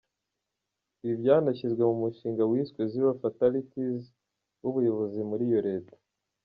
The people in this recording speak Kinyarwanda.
" Ibi byanashyizwe mu mushinga wiswe ’Zero Fatalities’ w’ubuyobozi muri iyo Leta.